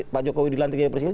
pak jokowi dilantikin presiden